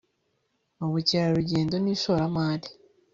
mu bukerarugendo n'ishoramari